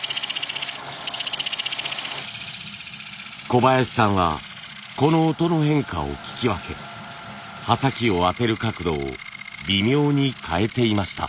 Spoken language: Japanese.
小林さんはこの音の変化を聞き分け刃先を当てる角度を微妙に変えていました。